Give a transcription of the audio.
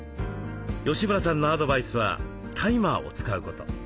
吉村さんのアドバイスはタイマーを使うこと。